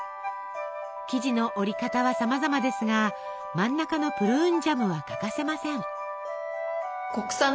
生地の折り方はさまざまですが真ん中のプルーンジャムは欠かせません。